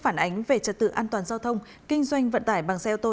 phản ánh về trật tự an toàn giao thông kinh doanh vận tải bằng xe ô tô